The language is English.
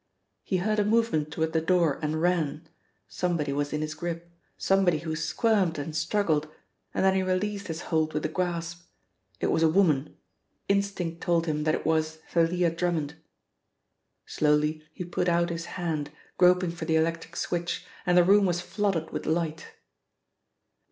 He heard a movement toward the door and ran. Somebody was in his grip, somebody who squirmed and struggled, and then he released his hold with a gasp. It was a woman instinct told him that it was Thalia Drummond. Slowly he put out his hand, groping for the electric switch, and the room was flooded with light.